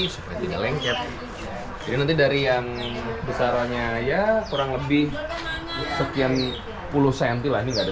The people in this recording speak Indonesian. seperti lengket ini dari yang besarannya ya kurang lebih sekian puluh sentilan tidak ada